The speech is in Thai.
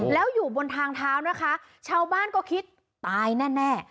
แล้วอยู่บนทางเท้านะคะชาวบ้านก็คิดตายแน่